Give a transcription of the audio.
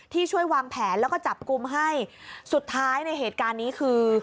ช่วยวางแผนแล้วก็จับกลุ่มให้สุดท้ายในเหตุการณ์นี้คือ